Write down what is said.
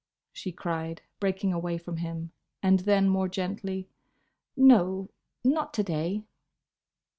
she cried, breaking away from him; and then, more gently, "No: not to day!"